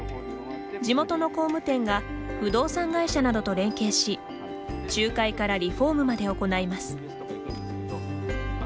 地元の工務店が不動産会社などと連携し仲介からリフォームまで行います。